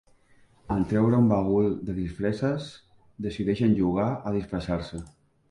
En treure un bagul de disfresses, decideixen jugar a disfressar-se.